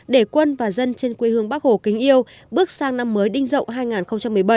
để quân và dân trên quê hương bắc hồ kính yêu bước sang năm mới đinh rậu hai nghìn một mươi bảy